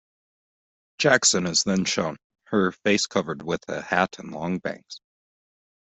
Jackson is then shown, her face covered with a hat and long bangs.